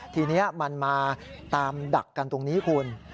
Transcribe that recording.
ทีนี้มันมาตามดักกันตรงนี้คุณ